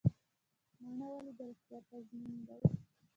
مڼه ولې د روغتیا تضمین ده؟